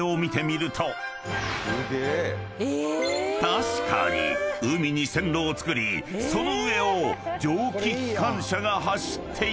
［確かに海に線路をつくりその上を蒸気機関車が走っている］